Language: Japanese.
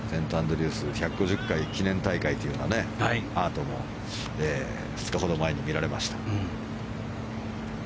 セントアンドリュース１５０回記念大会というのはアートも２日ほど前に見られました。